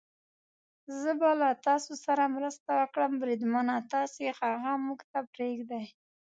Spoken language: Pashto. زه به له تاسو سره مرسته وکړم، بریدمنه، تاسې هغه موږ ته پرېږدئ.